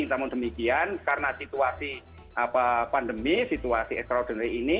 namun demikian karena situasi pandemi situasi extraordinary ini